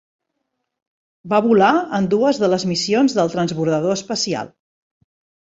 Va volar en dues de les missions del transbordador espacial.